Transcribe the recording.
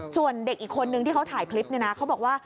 ส่วนเด็กอีกคนนึงที่เขาถ่ายคลิปเนี่ยนะเขาบอกว่า